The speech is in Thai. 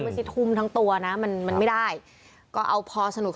ไม่ใช่ทุ่มทั้งตัวนะมันมันไม่ได้ก็เอาพอสนุก